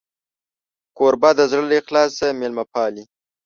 کوربه د زړه له اخلاصه میلمه پالي.